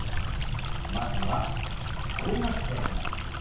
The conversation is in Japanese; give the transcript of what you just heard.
まずは小学生から。